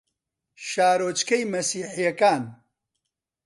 شارۆچکەی مەسیحییەکان